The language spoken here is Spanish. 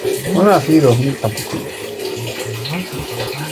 La bordura del escudo es color blanco plata.